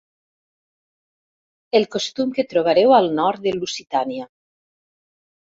El costum que trobareu al nord de Lusitània.